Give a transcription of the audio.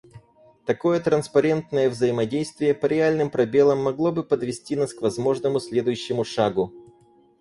Такое транспарентное взаимодействие по реальным проблемам могло бы подвести нас к возможному следующему шагу.